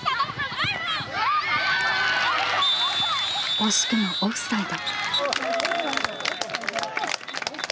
惜しくもオフサイド。